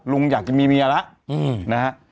ลุงอยากจะมีเมียแล้วนะฮะ